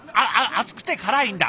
熱くて辛いんだ！